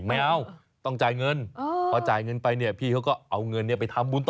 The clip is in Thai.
ไม่เอาต้องจ่ายเงินพอจ่ายเงินไปเนี่ยพี่เขาก็เอาเงินไปทำบุญต่อ